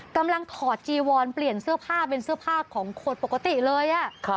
ถอดจีวอนเปลี่ยนเสื้อผ้าเป็นเสื้อผ้าของคนปกติเลย